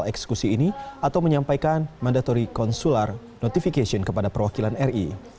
zaini misrin tidak menerjemahkan hal eksekusi ini atau menyampaikan mandatory consular notification kepada perwakilan ri